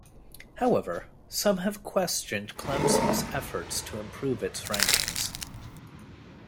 However, some have questioned Clemson's efforts to improve its rankings.